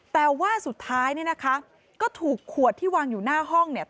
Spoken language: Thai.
แต่ว่าสุดท้ายเนี่ยนะคะก็ถูกขวดที่วางอยู่หน้าห้องเนี่ย